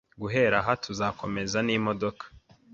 Guhera aha, tuzakomeza n'imodoka.